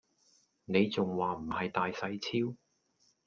你仲話唔係大細超